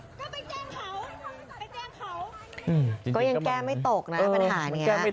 แจ้งเค้าก็ยังแก้ไม่ตกนะ